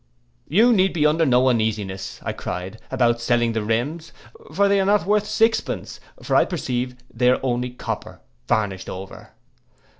'—'You need be under no uneasiness,' cried I, 'about selling the rims; for they are not worth six pence, for I perceive they are only copper varnished over.